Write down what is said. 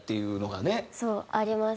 そう。あります。